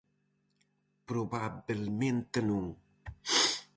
Probabelmente non.